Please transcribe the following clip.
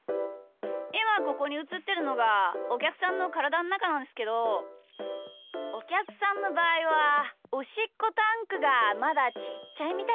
いまここにうつってるのがおきゃくさんのからだのなかなんすけどおきゃくさんのばあいはおしっこタンクがまだちっちゃいみたいっすね。